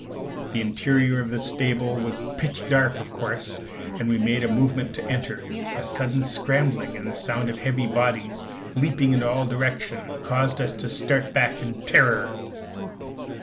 The interior of the stable was pitch dark, of course. As we made a movement to enter, a sudden scrambling, and the sound of heavy bodies leaping in all directions, caused us to start back in terror.